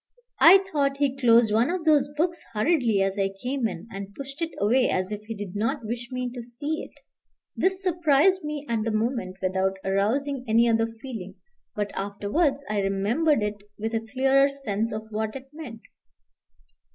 I thought he closed one of those books hurriedly as I came in, and pushed it away, as if he did not wish me to see it. This surprised me at the moment without arousing any other feeling; but afterwards I remembered it with a clearer sense of what it meant.